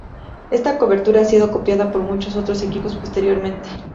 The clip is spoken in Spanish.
Esta cobertura ha sido copiada por muchos otros equipos posteriormente.